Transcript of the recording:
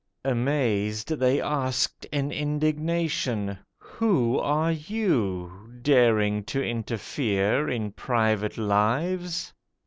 Amazed, They asked in indignation, 'Who are you, Daring to interfere in private lives?